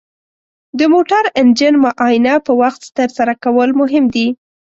د موټر انجن معاینه په وخت ترسره کول مهم دي.